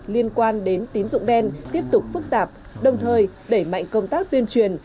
liên quan đến tín dụng đen tiếp tục phức tạp đồng thời đẩy mạnh công tác tuyên truyền